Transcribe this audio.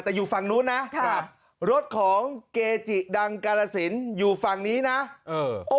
แต่อยู่ฝั่งนู้นนะครับรถของเกจิดังกาลสินอยู่ฝั่งนี้นะเออ